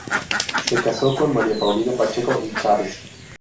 Se casó con María Paulina Pacheco y Chaves.